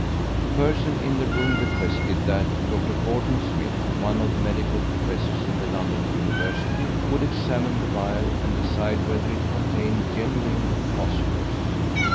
A person in the room requested that Dr. Gordon Smith, one of the medical professors in the London University, would examine the vial, and decide whether it contained genuine phosphorus.